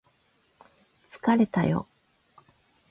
疲れたよ